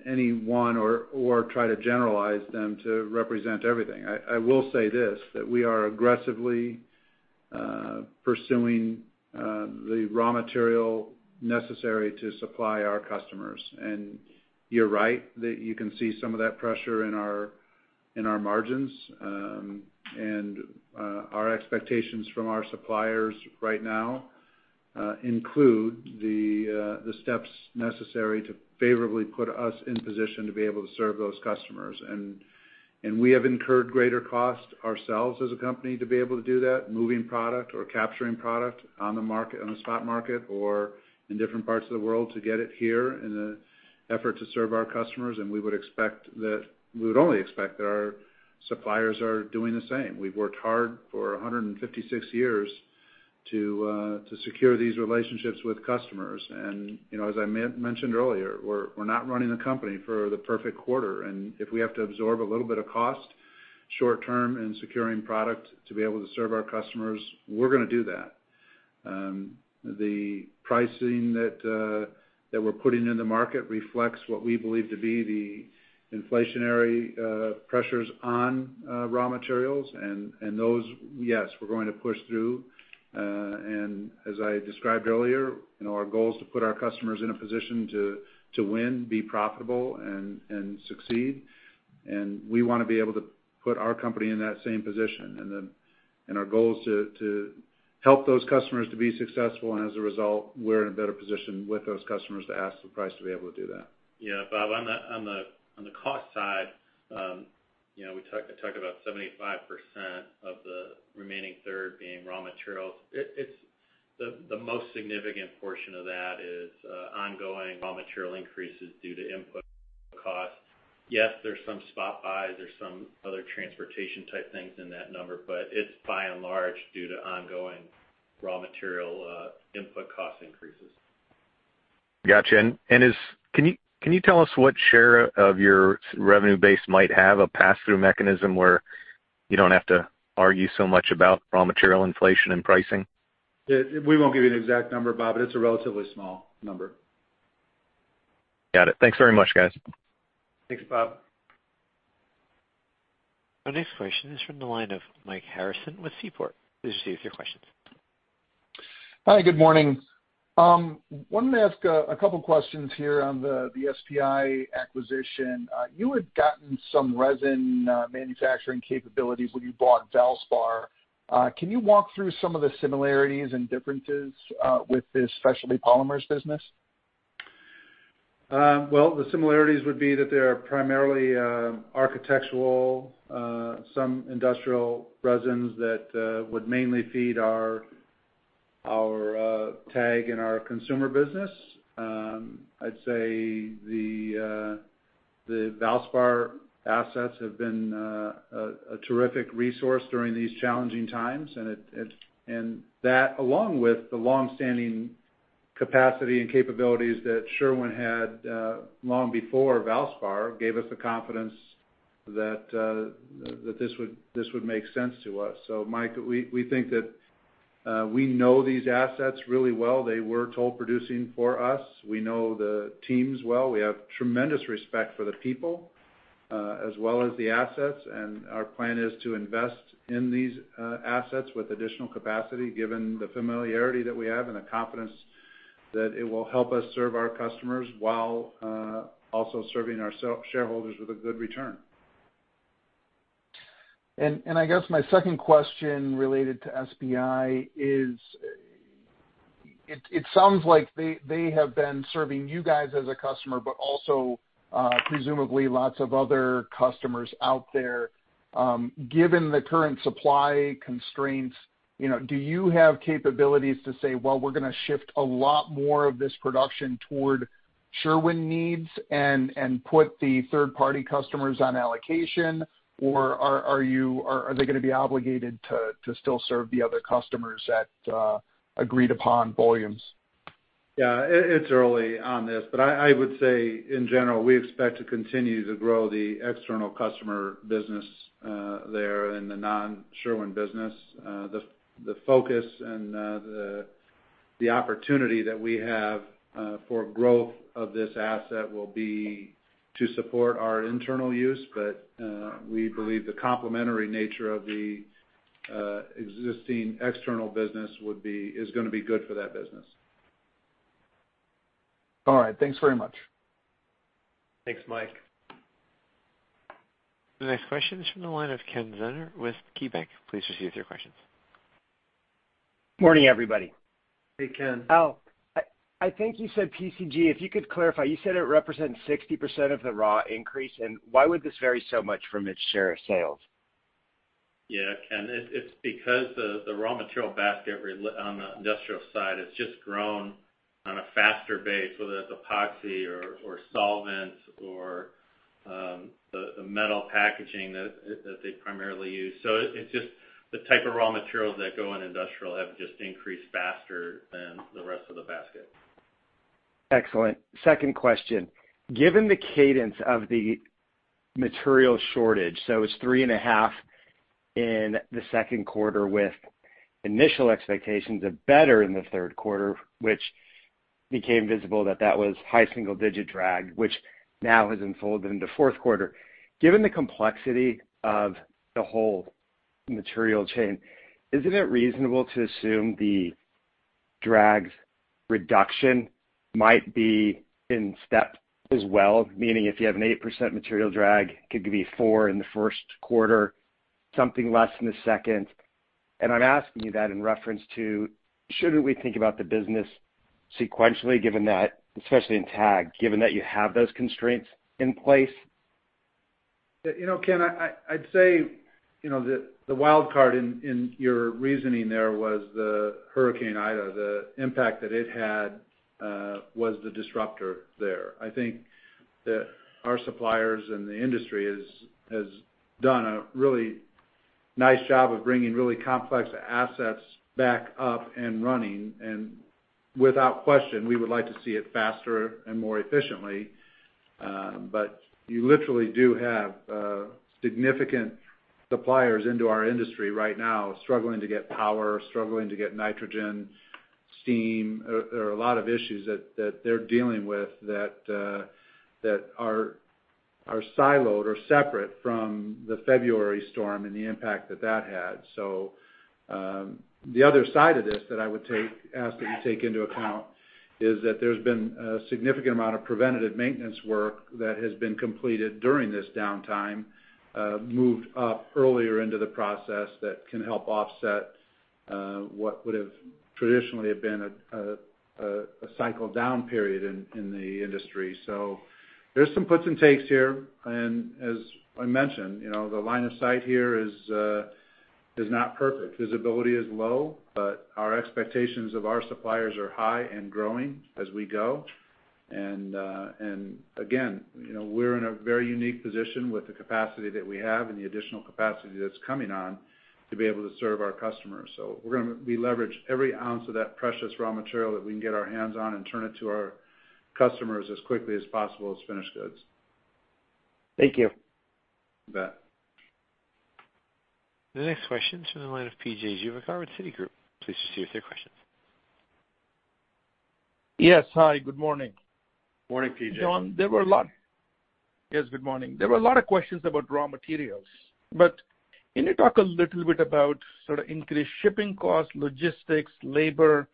any one or try to generalize them to represent everything. I will say this, that we are aggressively pursuing the raw material necessary to supply our customers. You're right that you can see some of that pressure in our margins. Our expectations from our suppliers right now include the steps necessary to favorably put us in position to be able to serve those customers. We have incurred greater cost ourselves as a company to be able to do that, moving product or capturing product on the spot market or in different parts of the world to get it here in an effort to serve our customers. We would only expect that our suppliers are doing the same. We've worked hard for 156 years to secure these relationships with customers. As I mentioned earlier, we're not running the company for the perfect quarter. If we have to absorb a little bit of cost short term in securing product to be able to serve our customers, we're going to do that. The pricing that we're putting in the market reflects what we believe to be the inflationary pressures on raw materials, and those, yes, we're going to push through. As I described earlier, our goal is to put our customers in a position to win, be profitable, and succeed. We want to be able to put our company in that same position, and our goal is to help those customers to be successful, and as a result, we're in a better position with those customers to ask the price to be able to do that. Yeah, Bob, on the cost side, I talk about 75% of the remaining third being raw materials. The most significant portion of that is ongoing raw material increases due to input costs. Yes, there is some spot buys. There is some other transportation type things in that number, but it is by and large due to ongoing raw material input cost increases. Got you. Can you tell us what share of your revenue base might have a pass-through mechanism where you don't have to argue so much about raw material inflation and pricing? We won't give you an exact number, Bob, but it's a relatively small number. Got it. Thanks very much, guys. Thanks, Bob. Our next question is from the line of Mike Harrison with Seaport. Please proceed with your questions. Hi, good morning. Wanted to ask a couple questions here on the SPI acquisition. You had gotten some resin manufacturing capabilities when you bought Valspar. Can you walk through some of the similarities and differences with this Specialty Polymers business? The similarities would be that they are primarily architectural, some industrial resins that would mainly feed our TAG and our consumer business. I'd say the Valspar assets have been a terrific resource during these challenging times, and that along with the longstanding capacity and capabilities that Sherwin had long before Valspar, gave us the confidence that this would make sense to us. Mike, we think that we know these assets really well. They were toll producing for us. We know the teams well. We have tremendous respect for the people as well as the assets, and our plan is to invest in these assets with additional capacity, given the familiarity that we have and the confidence that it will help us serve our customers while also serving our shareholders with a good return. I guess my second question related to SPI is, it sounds like they have been serving you guys as a customer, but also presumably lots of other customers out there. Given the current supply constraints, do you have capabilities to say, well, we're going to shift a lot more of this production toward Sherwin needs and put the third-party customers on allocation, or are they going to be obligated to still serve the other customers at agreed upon volumes? Yeah, it's early on this, but I would say in general, we expect to continue to grow the external customer business there in the non-Sherwin business. The focus and the opportunity that we have for growth of this asset will be to support our internal use, but we believe the complementary nature of the existing external business is going to be good for that business. All right. Thanks very much. Thanks, Mike. The next question is from the line of Ken Zener with KeyBank. Please proceed with your questions. Morning, everybody. Hey, Ken. Al, I think you said PCG, if you could clarify, you said it represents 60% of the raw increase, and why would this vary so much from its share of sales? Yeah, Ken, it's because the raw material basket on the industrial side has just grown on a faster base, whether that's epoxy or solvents or the metal packaging that they primarily use. It's just the type of raw materials that go in industrial have just increased faster than the rest of the basket. Excellent. Second question. Given the cadence of the material shortage, it's 3.5 in the second quarter with initial expectations of better in the third quarter, which became visible that that was high single-digit drag, which now has unfolded into fourth quarter. Given the complexity of the whole material chain, isn't it reasonable to assume the drag's reduction might be in step as well? Meaning if you have an 8% material drag, could be 4% in the first quarter, something less in the second. I'm asking you that in reference to, shouldn't we think about the business sequentially, given that, especially in TAG, given that you have those constraints in place? Ken, I'd say the wild card in your reasoning there was the Hurricane Ida, the impact that it had, was the disruptor there. I think that our suppliers and the industry has done a really nice job of bringing really complex assets back up and running, and without question, we would like to see it faster and more efficiently. You literally do have significant suppliers into our industry right now struggling to get power, struggling to get nitrogen, steam. There are a lot of issues that they're dealing with that are siloed or separate from the February storm and the impact that that had. The other side of this that I would ask that you take into account is that there's been a significant amount of preventative maintenance work that has been completed during this downtime, moved up earlier into the process that can help offset what would have traditionally been a cycle-down period in the industry. There's some puts and takes here, and as I mentioned, the line of sight here is not perfect. Visibility is low, but our expectations of our suppliers are high and growing as we go. Again, we're in a very unique position with the capacity that we have and the additional capacity that's coming on to be able to serve our customers. We leverage every ounce of that precious raw material that we can get our hands on and turn it to our customers as quickly as possible as finished goods. Thank you. You bet. The next question's from the line of P.J. Juvekar with Citigroup. Please proceed with your question. Yes. Hi, good morning. Morning, P.J. John, Yes, good morning. There were a lot of questions about raw materials. Can you talk a little bit about sort of increased shipping costs, logistics, labor?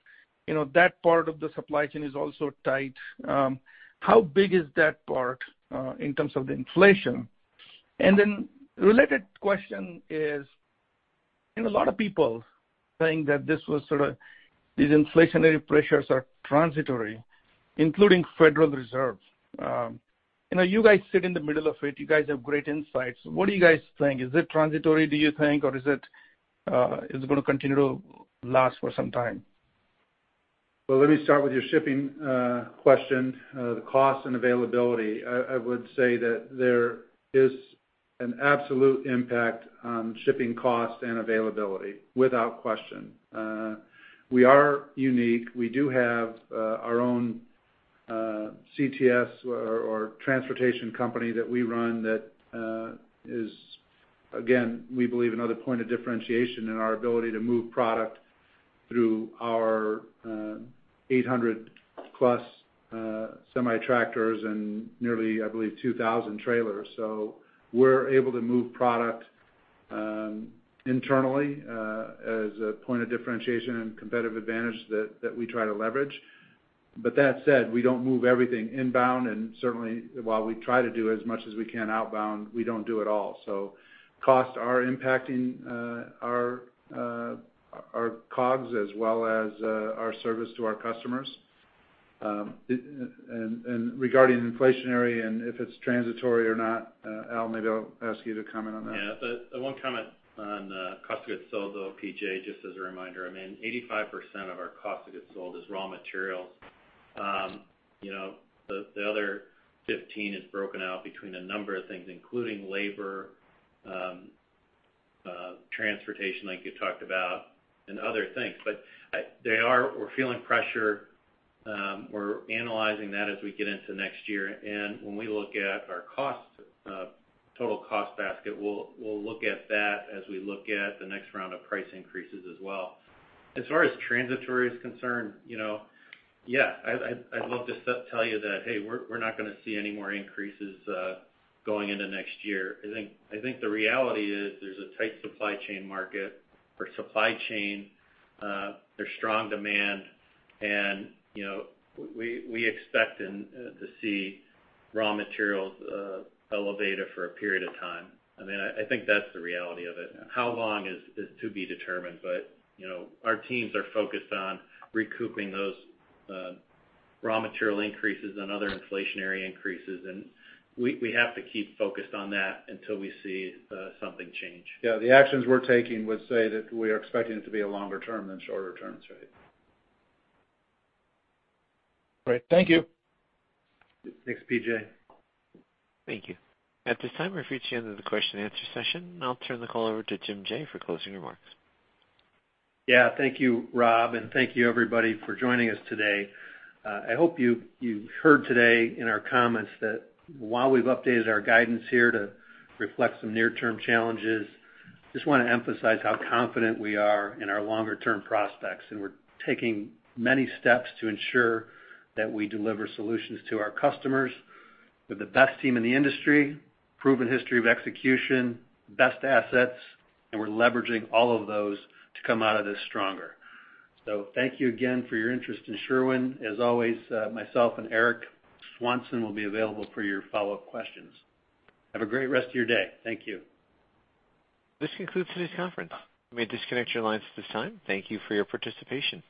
That part of the supply chain is also tight. How big is that part in terms of the inflation? Related question is, a lot of people think that these inflationary pressures are transitory, including Federal Reserve. You guys sit in the middle of it. You guys have great insights. What are you guys thinking? Is it transitory, do you think, or is it going to continue to last for some time? Well, let me start with your shipping question, the cost and availability. I would say that there is an absolute impact on shipping cost and availability, without question. We are unique. We do have our own CTS or transportation company that we run that is, again, we believe, another point of differentiation in our ability to move product through our 800+ semi tractors and nearly, I believe, 2,000 trailers. We're able to move product internally as a point of differentiation and competitive advantage that we try to leverage. That said, we don't move everything inbound and certainly, while we try to do as much as we can outbound, we don't do it all. Costs are impacting our COGS as well as our service to our customers. Regarding inflationary and if it's transitory or not, Al, maybe I'll ask Al to comment on that. Yeah. I won't comment on cost of goods sold, though, P.J., just as a reminder. I mean, 85% of our cost of goods sold is raw materials. The other 15% is broken out between a number of things, including labor, transportation, like you talked about, and other things. We're feeling pressure. We're analyzing that as we get into next year. When we look at our total cost basket, we'll look at that as we look at the next round of price increases as well. As far as transitory is concerned, yeah, I'd love to tell you that, hey, we're not going to see any more increases going into next year. I think the reality is there's a tight supply chain market for supply chain. There's strong demand, and we expect to see raw materials elevated for a period of time. I think that's the reality of it. How long is to be determined, but our teams are focused on recouping those raw material increases and other inflationary increases, and we have to keep focused on that until we see something change. The actions we're taking would say that we are expecting it to be a longer term than shorter term. Great. Thank you. Thanks, P.J. Thank you. At this time, we've reached the end of the question-and-answer session. I'll turn the call over to Jim Jaye. for closing remarks. Yeah. Thank you, Rob, and thank you everybody for joining us today. I hope you heard today in our comments that while we've updated our guidance here to reflect some near-term challenges, just want to emphasize how confident we are in our longer-term prospects, and we're taking many steps to ensure that we deliver solutions to our customers with the best team in the industry, proven history of execution, best assets, and we're leveraging all of those to come out of this stronger. Thank you again for your interest in Sherwin. As always, myself and Eric Swanson will be available for your follow-up questions. Have a great rest of your day. Thank you. This concludes today's conference. You may disconnect your lines at this time. Thank you for your participation.